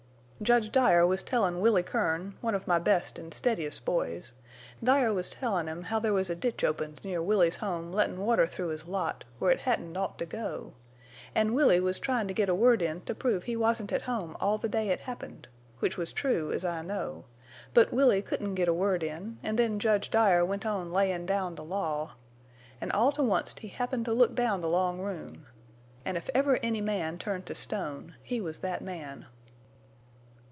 "Judge Dyer was tellin' Willie Kern, one of my best an' steadiest boys—Dyer was tellin' him how there was a ditch opened near Willie's home lettin' water through his lot, where it hadn't ought to go. An' Willie was tryin' to git a word in to prove he wasn't at home all the day it happened—which was true, as I know—but Willie couldn't git a word in, an' then Judge Dyer went on layin' down the law. An' all to onct he happened to look down the long room. An' if ever any man turned to stone he was thet man.